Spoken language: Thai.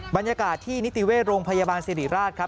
บรรยากาศที่นิติเวชโรงพยาบาลสิริราชครับ